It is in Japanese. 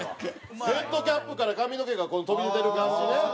ヘッドキャップから髪の毛が飛び出てる感じね。